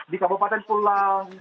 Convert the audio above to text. di kabupaten pulang sisau